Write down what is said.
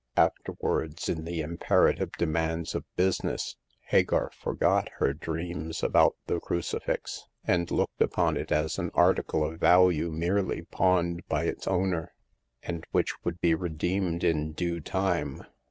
Afterwards, in the imperative demands of busi ness, Hagar forgot her dreams about the crucifix, and looked upon it as an article of value merely pawned by its owner, and which would be re deemed in due time.